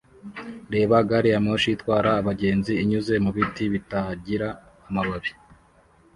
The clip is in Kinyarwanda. Reba gari ya moshi itwara abagenzi inyuze mu biti bitagira amababi